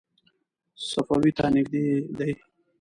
صفوي ته نږدې دی.